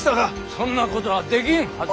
そんなことはできんはずだで。